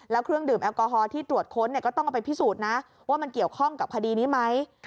แล้วเครื่องดื่มแอลกอฮอลที่ตรวจค้นก็ต้องเอาไปพิสูจน์นะว่ามันเกี่ยวข้องกับคดีนี้ไหม